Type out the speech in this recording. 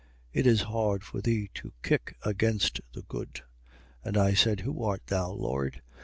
It is hard for thee to kick against the good. 26:15. And I said: Who art thou, Lord?